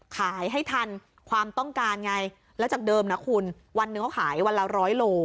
ให้ทันความต้องการไงแล้วจากเดิมนะคุณวันหนึ่งเขาขายวันละร้อยโล